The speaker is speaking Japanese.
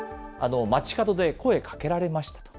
街角で声かけられました。